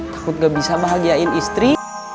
takut gak bisa bahagiain istri